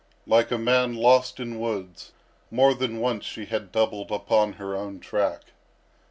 Like a man lost in woods, more than once she had doubled upon her own track.